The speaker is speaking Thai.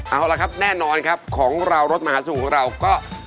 เอาละครับแน่นอนครับของเรารถมหาสนุกของเราก็